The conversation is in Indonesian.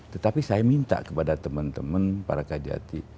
tetapi saya minta kepada teman teman para kajati